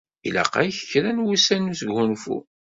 Ilaq-ak kra n wussan n wesgunfu.